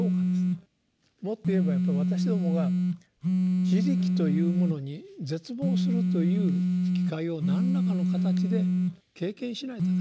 もっと言えばやっぱり私どもが「自力」というものに絶望するという機会を何らかの形で経験しないとだめですね。